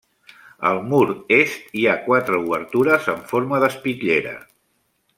Al mur est hi ha quatre obertures en forma d'espitllera.